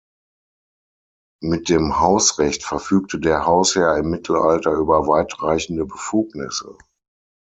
Mit dem Hausrecht verfügte der Hausherr im Mittelalter über weitreichende Befugnisse.